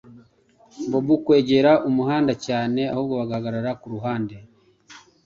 babo kwegera umuhanda cyane ahubwo bagahagarara ku ruhande.